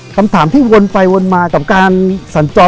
คำถามที่วนไปวนมากับการสัญจร